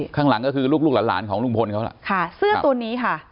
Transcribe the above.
ข้างหลังก็คือลูกลูกหลานหลานของลุงพลเขาล่ะค่ะเสื้อตัวนี้ค่ะ